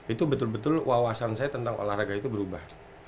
itu betul betul wawasan saya tentang olahraga itu berubah